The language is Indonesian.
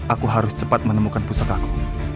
aku harus cepat menemukan pusat aku